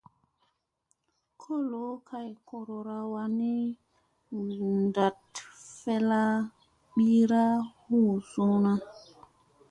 Kolo kay korora wanni ndat fella biiri huu sunŋa.